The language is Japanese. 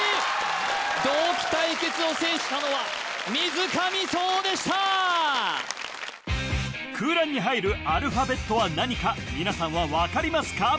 同期対決を制したのは水上颯でした空欄に入るアルファベットは何か皆さんは分かりますか？